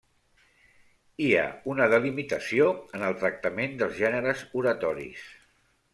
Hi ha una delimitació en el tractament dels gèneres oratoris.